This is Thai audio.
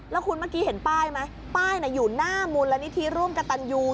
แล้วคุณเมื่อกี้เห็นป้ายไหมป้ายอยู่หน้ามูลนิธิร่วมกับตันยู